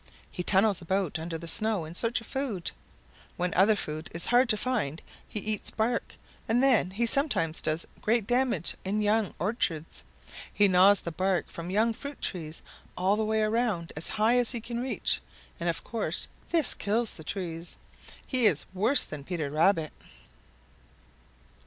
He tunnels about under the snow in search of food. When other food is hard to find he eats bark, and then he sometimes does great damage in young orchards. He gnaws the bark from young fruit trees all the way around as high as he can reach, and of course this kills the trees. He is worse than Peter Rabbit.